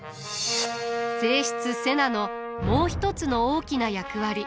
正室瀬名のもう一つの大きな役割。